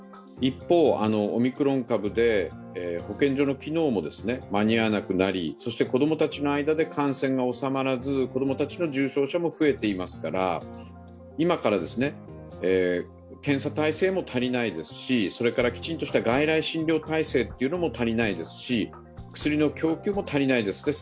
一方、オミクロン株で保健所の機能も間に合わなくなりそして子供たちの間で感染が収まらず子供たちの重症者も増えていますから今から検査体制も足りないですし、それからきちんとした外来診療体制も足りないですし薬の供給も足りないです。